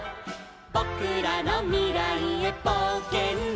「ぼくらのみらいへぼうけんだ」